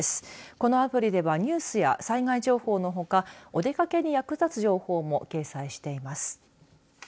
このアプリではニュースや災害情報のほかお出かけに役立つ情報も掲載しています。